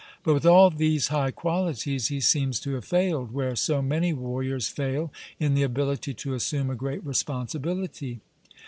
But with all these high qualities he seems to have failed, where so many warriors fail, in the ability to assume a great responsibility.